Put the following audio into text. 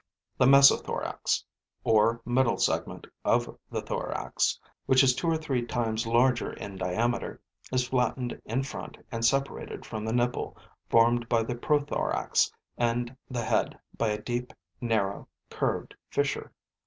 The mesothorax, or middle segment of the thorax, which is two or three times larger in diameter, is flattened in front and separated from the nipple formed by the prothorax and the head by a deep, narrow, curved fissure.